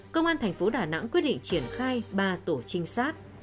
công an thành phố đà nẵng quyết định triển khai ba tổ trinh sát